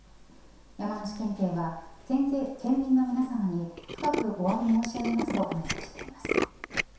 山梨県警は、県民の皆さまに深くおわび申し上げますとコメントしています。